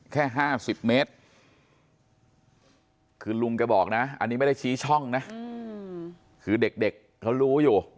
แค่๕๐เมตรคือลุงแกบอกนะอันนี้ไม่ได้ชี้ช่องนะคือเด็กเขารู้อยู่